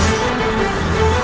aku akan mencari dia